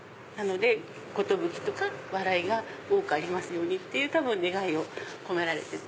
寿とか笑いが多くありますようにっていう多分願いを込められてる。